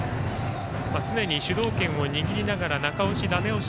常に主導権を握りながら中押し、ダメ押し